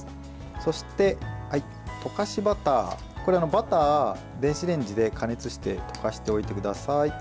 そして溶かしバターバターを電子レンジで加熱して溶かしておいてください。